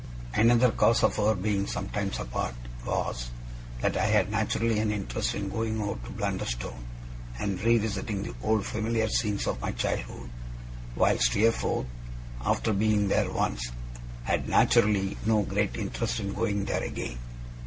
Another cause of our being sometimes apart, was, that I had naturally an interest in going over to Blunderstone, and revisiting the old familiar scenes of my childhood; while Steerforth, after being there once, had naturally no great interest in going there again.